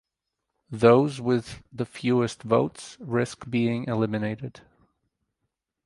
Those with the fewest votes risk being eliminated.